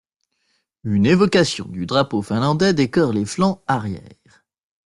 Une évocation du drapeau finlandais décore les flancs arrières.